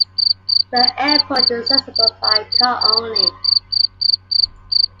The airport is accessible by car only.